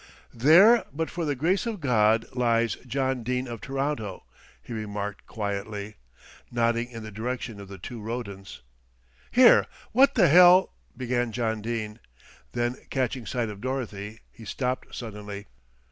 "There; but for the grace of God lies John Dene of Toronto," he remarked quietly, nodding in the direction of the two rodents. "Here, what the hell !" began John Dene, then catching sight of Dorothy he stopped suddenly.